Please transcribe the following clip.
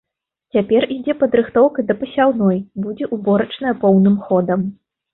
Цяпер ідзе падрыхтоўка да пасяўной, будзе ўборачная поўным ходам.